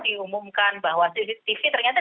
diumumkan bahwa cctv ternyata